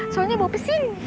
soalnya bau pesing